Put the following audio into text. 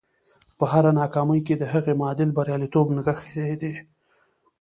په هره ناکامي کې د هغې معادل برياليتوب نغښتی دی.